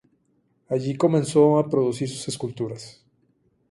Allí comenzó a producir sus esculturas.